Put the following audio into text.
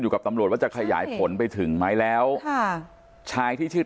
กับตำรวจว่าจะขยายผลไปถึงไหมแล้วค่ะชายที่ชื่อ